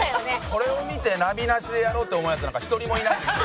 これを見てナビなしでやろうって思うヤツなんか一人もいないんです。